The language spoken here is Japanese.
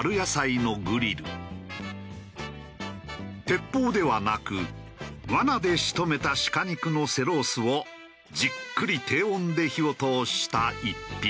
鉄砲ではなく罠で仕留めた鹿肉の背ロースをじっくり低温で火を通した逸品。